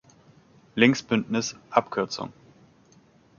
Linksbündnis, Abk.